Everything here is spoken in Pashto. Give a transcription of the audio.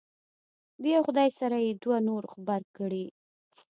د یو خدای سره یې دوه نور غبرګ کړي.